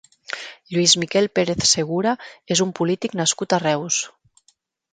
Lluís Miquel Pérez Segura és un polític nascut a Reus.